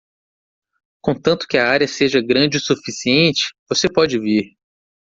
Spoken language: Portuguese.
Contanto que a área seja grande o suficiente, você pode vir.